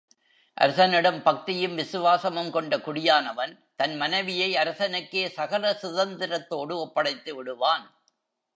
அரசனிடம் பக்தியும், விசுவாசமும் கொண்ட குடியானவன் தன் மனைவியை அரசனுக்கே சகல சுதந்திரத்தோடு ஒப்படைத்து விடுவான்.